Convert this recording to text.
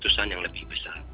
letusan yang lebih besar